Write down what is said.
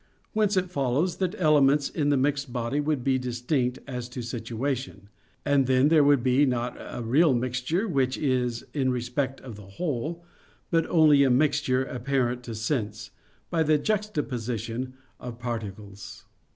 Whence it follows that elements in the mixed body would be distinct as to situation. And then there would not be a real mixture which is in respect of the whole; but only a mixture apparent to sense, by the juxtaposition of particles.